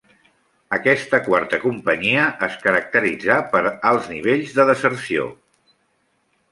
Aquesta quarta companyia es caracteritzà per alts nivells de deserció.